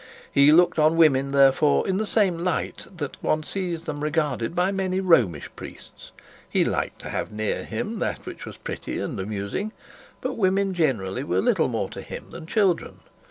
He looked on women, therefore, in the same light that one sees then regarded by many Romish priests. He liked to have near him that which was pretty and amusing, but women generally were little more to him than children.